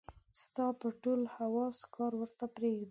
ستا به ټول حواص کار ورته پرېږدي.